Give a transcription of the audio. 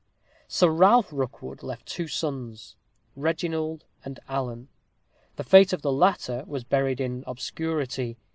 Sir Ralph Rookwood left two sons, Reginald and Alan. The fate of the latter was buried in obscurity.